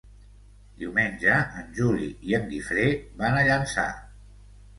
Diumenge en Juli i en Guifré van a Llançà.